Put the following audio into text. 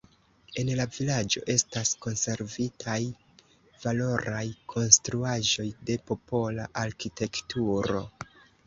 En la vilaĝo estas konservitaj valoraj konstruaĵoj de popola arkitekturo.